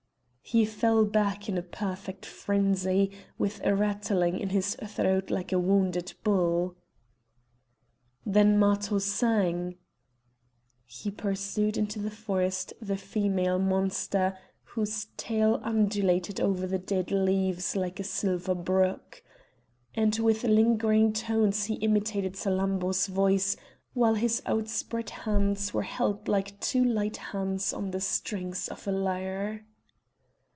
He fell back in a perfect frenzy, with a rattling in his throat like a wounded bull. Then Matho sang: "He pursued into the forest the female monster, whose tail undulated over the dead leaves like a silver brook." And with lingering tones he imitated Salammbô's voice, while his outspread hands were held like two light hands on the strings of a lyre.